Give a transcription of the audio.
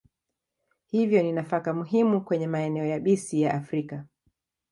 Hivyo ni nafaka muhimu kwenye maeneo yabisi ya Afrika.